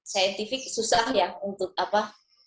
secara sains susah ya untuk apa